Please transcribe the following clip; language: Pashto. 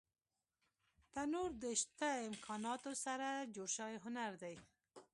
تنور د شته امکاناتو سره جوړ شوی هنر دی